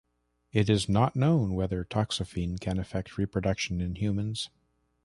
It is not known whether toxaphene can affect reproduction in humans.